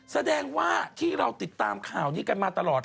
แสดงว่าที่เราติดตามข่าวนี้กันมาตลอด